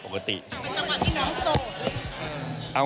ไปจังหวัดที่น้องโสดด้วย